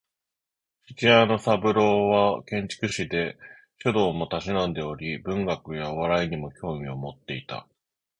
父親の三郎は建築士で、書道も嗜んでおり文学やお笑いにも興味を持っていた